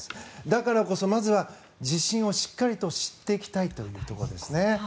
だからこそ、まずは地震をしっかり知っていきたいというところですね。